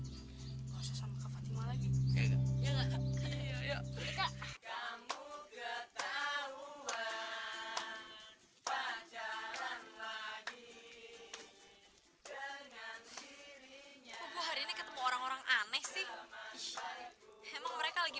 ketahuan pacaran lagi dengan dirinya hari ini ketemu orang orang aneh sih emang mereka lagi